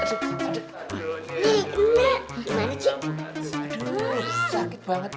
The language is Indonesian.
aduh sakit banget